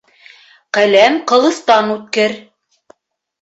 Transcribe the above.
Ҡәләм ҡылыстан үткер.